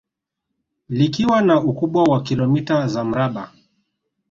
Likiwa na ukubwa wa kilomita za mraba